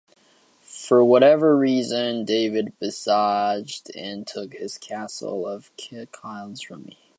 For whatever reason, David besieged and took his Castle of Kildrummy.